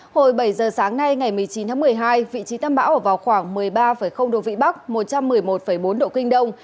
hồi bảy giờ sáng nay ngày một mươi chín tháng một mươi hai vị trí tâm bão ở vào khoảng một mươi ba độ vĩ bắc một trăm một mươi một bốn độ kinh đông